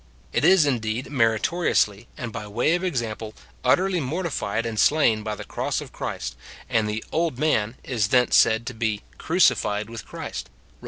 It is, indeed, merito riously, and by way of example, utterly mortified and slain by the cross of Christ ; and the " old man" is thence said to be " crucified with Christ," Rom.